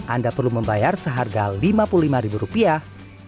anda perlu membayar seharga lima puluh lima rupiah